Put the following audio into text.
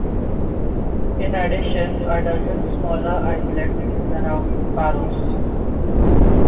In addition a dozen smaller islets surround Paros.